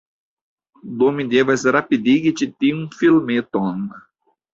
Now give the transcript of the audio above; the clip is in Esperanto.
Do mi devas rapidigi ĉi tiun filmeton.